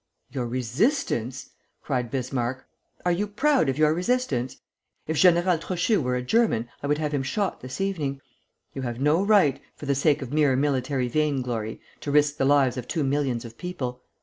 "Your resistance!" cried Bismarck. "Are you proud of your resistance? If General Trochu were a German, I would have him shot this evening. You have no right, for the sake of mere military vainglory, to risk the lives of two millions of people.